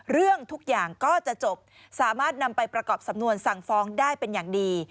เรื่องทุกอย่างก็จะจบสามารถนำไปประกอบสำนวนสั่งฟ้องได้เป็นอย่างดี